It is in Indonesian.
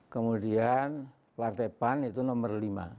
kemudian partai pan itu nomor lima